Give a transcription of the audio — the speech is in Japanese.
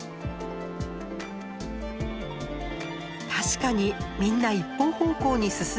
確かにみんな一方方向に進んできています。